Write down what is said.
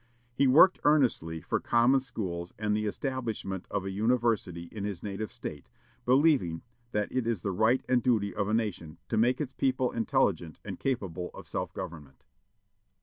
He worked earnestly for common schools and the establishment of a university in his native State, believing that it is the right and duty of a nation to make its people intelligent and capable of self government.